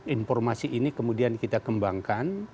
informasi ini kemudian kita kembangkan